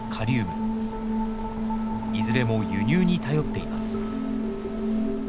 いずれも輸入に頼っています。